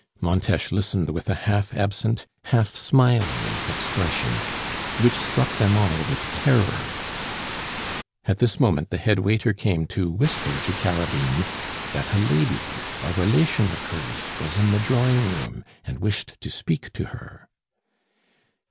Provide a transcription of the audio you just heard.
Montes listened with a half absent, half smiling expression, which struck them all with terror. At this moment the head waiter came to whisper to Carabine that a lady, a relation of hers, was in the drawing room and wished to speak to her.